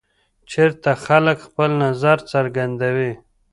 چېرته خلک خپل نظر څرګندوي؟